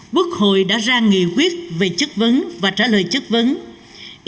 quốc hội đã ra nghị quyết về chức vấn và trả lời chức vấn của các ngành đối với một số thành viên chính phủ